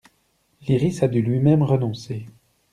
Lyrisse a dû lui-même renoncer.